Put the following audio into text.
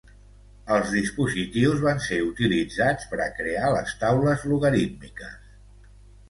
Els dispositius van ser utilitzats per a crear les taules logarítmiques.